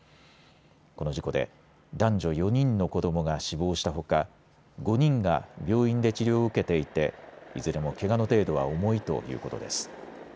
この事故で男女４人の子どもが死亡したほか５人が病院で治療を受けていていずれもけがの程度は重いということです。